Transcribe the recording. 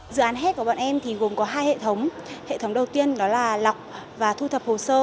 dự án heds của bọn em gồm có hai hệ thống hệ thống đầu tiên là lọc và thu thập hồ sơ